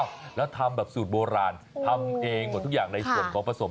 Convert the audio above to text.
แล้วทำแบบสูตรโบราณทำเองหมดทุกอย่างในส่วนของผสม